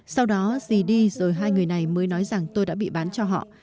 sau đó dì đi rồi hai người này mới nói rằng tôi đã bị bán cho họ